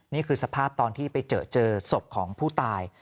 นี่คือสภาพตอนที่ไปเจอเจอศพของผู้ตาย